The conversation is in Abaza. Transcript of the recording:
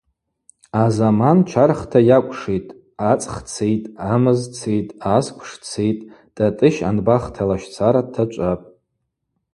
Азаман чархта йакӏвшитӏ, ацӏх цитӏ, амыз цитӏ, асквш цитӏ, Тӏатӏыщ анбахта лащцара дтачӏвапӏ.